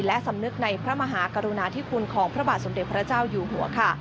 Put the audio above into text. และสำนึกในพระมหากรุณาธิคุณของพระบาทสมเด็จพระเจ้าอยู่หัวค่ะ